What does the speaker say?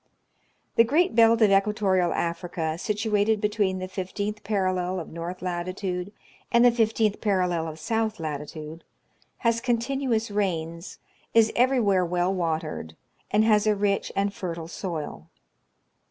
The great belt of equatorial Africa, situated between the 15th parallel of north latitude and the 15th parallel of south latitude, has continuous rains, is everywhere well watered, and has a rich and fertile soil.